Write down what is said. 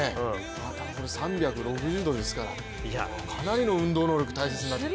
３６０度ですからかなりの運動能力が必要になってくる。